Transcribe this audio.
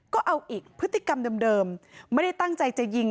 ก็เอาอีกพฤติกรรมเดิมไม่ได้ตั้งใจจะยิง